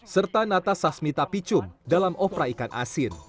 serta natasasmita picum dalam opera ikan asin